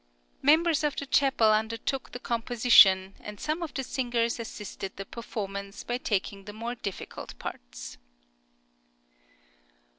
Members of the chapel undertook the composition, and some of the singers assisted the performance by taking the more difficult parts.